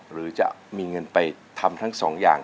หรือจะมีเงินไปทำทั้งสองอย่าง